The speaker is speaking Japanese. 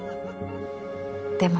でも。